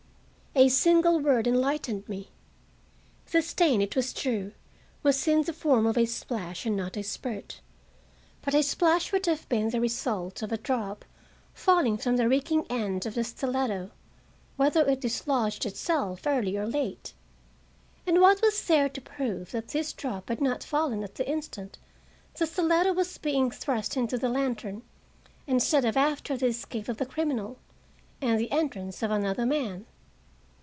A single word enlightened me. The stain, it was true, was in the form of a splash and not a spurt, but a splash would have been the result of a drop falling from the reeking end of the stiletto, whether it dislodged itself early or late. And what was there to prove that this drop had not fallen at the instant the stiletto was being thrust Into the lantern, instead of after the escape of the criminal, and the entrance of another man?